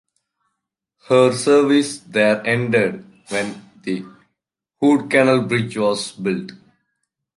Her service there ended when the Hood Canal Bridge was built.